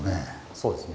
そうですね。